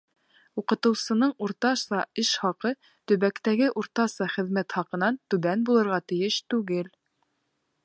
Уҡытыусының уртаса эш хаҡы төбәктәге уртаса хеҙмәт хаҡынан түбән булырға тейеш түгел.